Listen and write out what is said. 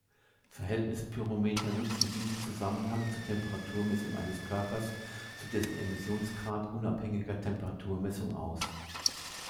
Verhältnis-Pyrometer nutzen diesen Zusammenhang zur Temperaturmessung eines Körpers zu dessen emissionsgrad-unabhängiger Temperaturmessung aus.